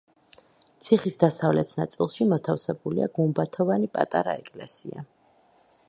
ციხის დასავლეთ ნაწილში მოთავსებულია გუმბათოვანი პატარა ეკლესია.